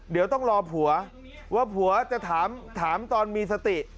เดี๋ยวต้องรอผัวว่าผัวจะถามตอนมีสติ